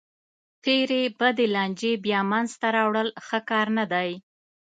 تېرې بدې لانجې بیا منځ ته راوړل ښه کار نه دی.